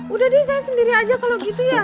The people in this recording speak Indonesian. udah deh saya sendiri aja kalau gitu ya